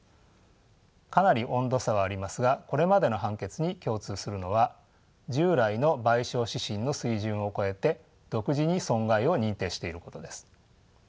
かなり温度差はありますがこれまでの判決に共通するのは従来の賠償指針の水準を超えて独自に損害を認定していることです。